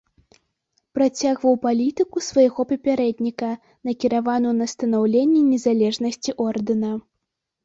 Працягваў палітыку свайго папярэдніка, накіраваную на станаўленне незалежнасці ордэна.